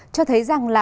cho thấy rằng là